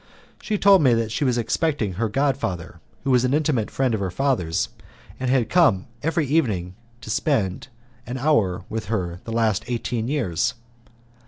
She told me that she was expecting her god father, who was an intimate friend of her father's, and had come every evening to spend an hour with her for the last eighteen years.